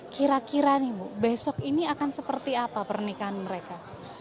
kira kira nih bu besok ini akan seperti apa pernikahan mereka